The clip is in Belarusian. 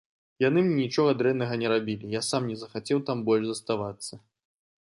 Яны мне нічога дрэннага не рабілі, я сам не захацеў там больш заставацца.